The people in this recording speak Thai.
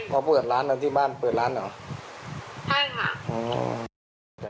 เพราะเปิดร้านที่บ้านเปิดร้านนั้นหรือ